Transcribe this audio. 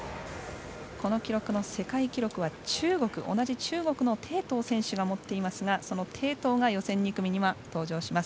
この記録の世界記録は同じ中国の鄭濤選手が持っていますがその鄭濤が予選２組には登場します。